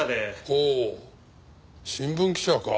ほう新聞記者か。